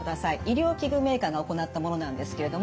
医療器具メーカーが行ったものなんですけれども。